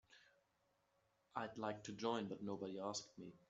I'd like to join but nobody asked me.